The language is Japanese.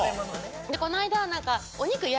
この間。